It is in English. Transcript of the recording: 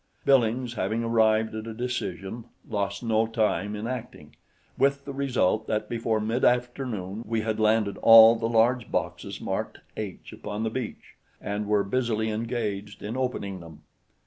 Billings, having arrived at a decision, lost no time in acting, with the result that before mid afternoon we had landed all the large boxes marked "H" upon the beach, and were busily engaged in opening them.